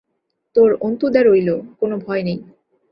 তোর অন্তুদা রইল, কোনো ভয় নেই।